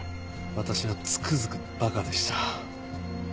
私はつくづく馬鹿でした。